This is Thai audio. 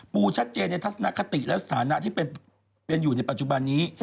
ชัดเจนในทัศนคติและสถานะที่เป็นอยู่ในปัจจุบันนี้